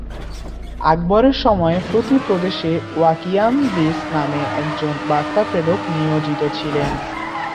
আকবরের সময়ে প্রতি প্রদেশে ওয়াকিয়ানবিস নামে একজন বার্তা প্রেরক নিয়োজিত ছিলেন।